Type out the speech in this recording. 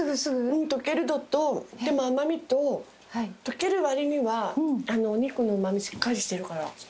うん溶けるのとでも甘みと溶ける割にはお肉のうまみしっかりしてるから。